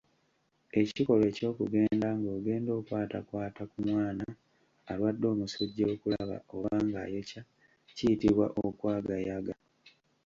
Ekikolwa eky'okugenda ng'ogenda okwatakwata ku mwana alwadde omusujja okulaba oba ng'ayokya kiyitibwa okwagaayaga.